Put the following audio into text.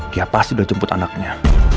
dia pasti udah jemput anaknya